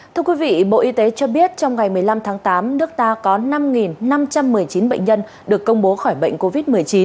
thưa quý vị bộ y tế cho biết trong ngày một mươi năm tháng tám nước ta có năm năm trăm một mươi chín bệnh nhân được công bố khỏi bệnh covid một mươi chín